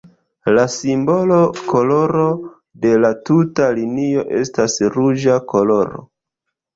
La simbola koloro de la tuta linio estas ruĝa koloro.